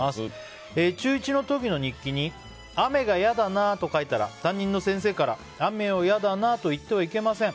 中１の時の日記に雨が嫌だなと書いたら担任の先生から雨を嫌だなと言ってはいけません